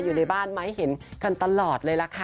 อยู่ในบ้านมาให้เห็นกันตลอดเลยล่ะค่ะ